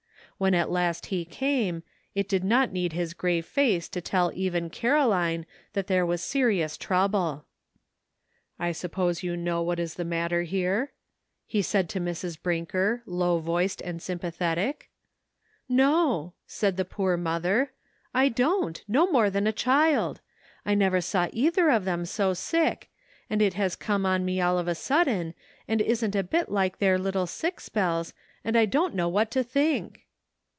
When at last he came, it did not need his grave face to tell even Caroline that there was serious trouble. " I suppose you know what is the matter here ?" he said to Mrs. Brinker, low voiced and sympathetic. "No," said the poor mother, "I don't, no more than a child ; I never saw either of them so sick, and it has come on me all of a sudden, and isn't a bit like their little sick spells, and I don't know what to think."